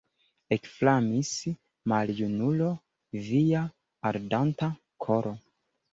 Ekflamis, maljunulo, via ardanta koro!